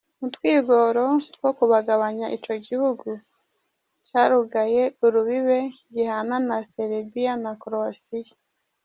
Mu twigoro two kubagabanya, ico gihugu carugaye urubibe gihana na Serbia na Croatia.